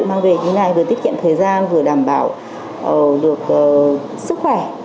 mang về như thế này vừa tiết kiệm thời gian vừa đảm bảo được sức khỏe